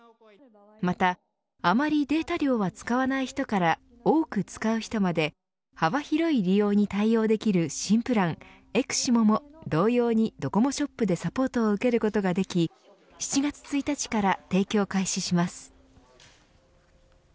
また、あまりデータ量を使わない人から多く使う人まで幅広い利用に対応できる新プランｅｘｉｍｏも同様にドコモショップでサポートを受けることができ７月１日から提供開始します。